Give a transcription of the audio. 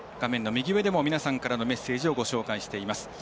右上でも皆さんからのメッセージご紹介しています。